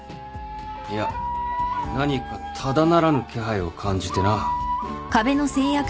いや何かただならぬ気配を感じてな。